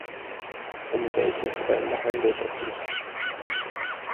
Um welche Verbände handelt es sich?